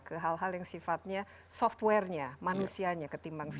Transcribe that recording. ke hal hal yang sifatnya software nya manusianya ketimbang fisik